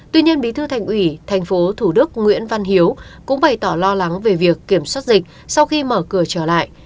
tuy nhiên bí thư thành ủy tp thủ đức nguyễn văn hiếu cũng bày tỏ lo lắng về việc kiểm soát dịch sau khi mở cửa trở lại